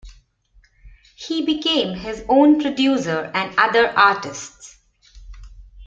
He became his own producer and other artist's.